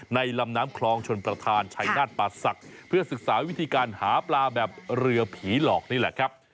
ลำน้ำคลองชนประธานชัยนาฏป่าศักดิ์เพื่อศึกษาวิธีการหาปลาแบบเรือผีหลอกนี่แหละครับ